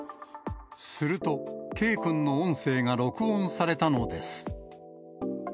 すると、Ｋくんの音声が録音されたのです。